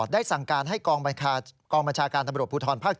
ได้สั่งการให้กองบัญชาการตำรวจภูทรภาค๗